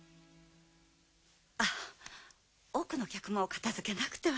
あっ奥の客間を片づけなくては。